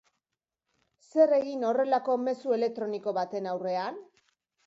Zer egin horrelako mezu elektroniko baten aurrean?